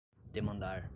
demandar